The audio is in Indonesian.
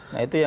nah itu yang